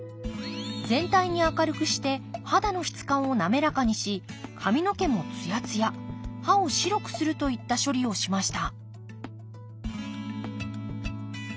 全体に明るくして肌の質感を滑らかにし髪の毛もつやつや歯を白くするといった処理をしました